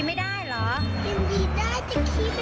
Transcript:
กินดีได้แต่ขี้ไม่เป็นไง